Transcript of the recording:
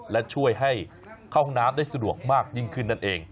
และช่วยให้เข้าห้องน้ำได้สะดวกมากยิ่งขึ้นนั่นเอง